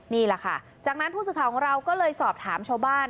นี่แหละค่ะจากนั้นผู้สื่อข่าวของเราก็เลยสอบถามชาวบ้าน